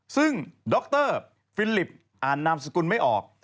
ซึ่งดรฟิลิปอ่านนามสกุลไม่ออก